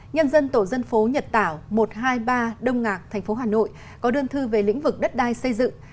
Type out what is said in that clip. nhân dân tổ dân phố nhật tảo một trăm hai mươi ba đông ngạc tp hà nội có đơn thư về lĩnh vực đất đai xây dựng